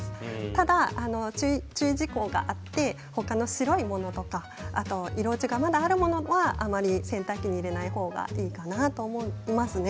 ただ注意事項があってほかの白いものとか色落ちがまだあるものはあまり洗濯機に入れないほうがいいかなと思いますね。